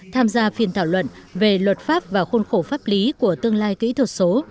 tham gia phiên thảo luận về luật pháp và khuôn khổ pháp lý của tương lai kỹ thuật số